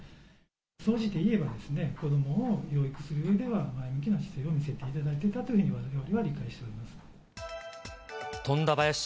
総じて言えば、子どもを養育するうえでは、前向きな姿勢を見せていただいたというふうに理解しております。